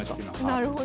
なるほど。